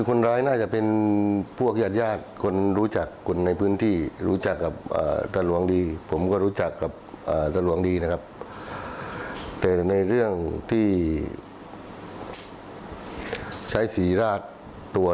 เพราะปกติไม่น่าจะทำกันอย่างนี้นะครับ